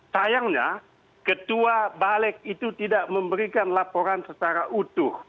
sayangnya ketua balik itu tidak memberikan laporan secara utuh